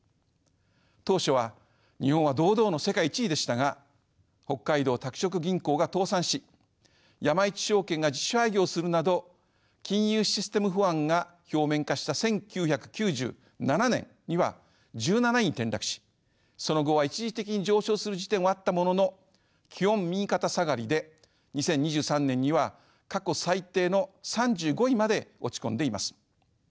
当初は日本は堂々の世界１位でしたが北海道拓殖銀行が倒産し山一證券が自主廃業するなど金融システム不安が表面化した１９９７年には１７位に転落しその後は一時的に上昇する時点はあったものの基本右肩下がりで２０２３年には過去最低の３５位まで落ち込んでいます。